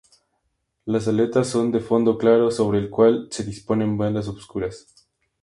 Las aletas son de fondo claro sobre el cual se disponen bandas oscuras.